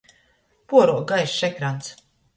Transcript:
Puoruok gaišs ekrans.